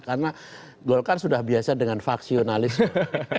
karena golkar sudah biasa dengan faksionalisme